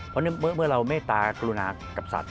เพราะเมื่อเราเมตตากรุณากับสัตว